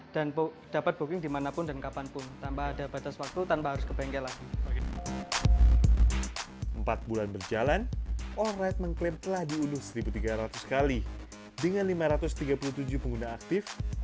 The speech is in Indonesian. dan dapat booking dimanapun dan kapanpun tanpa ada batas waktu tanpa harus ke bengkel lagi